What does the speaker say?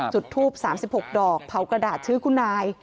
จุดทูปสามสิบหกดอกเผากระดาษชื่อคุณนาย